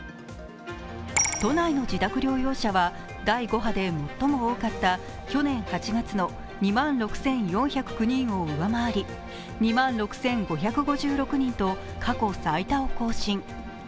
都内の自宅療養者は第５波で最も多かった去年８月の２万６４０９人を上回り２万６５５６人と過去最多を更新。